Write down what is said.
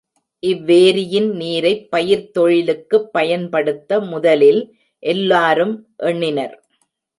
இவ்வேரியின் நீரைப் பயிர்த் தொழிலுக்குப் பயன்படுத்த முதலில் எல்லாரும் எண்ணினர்.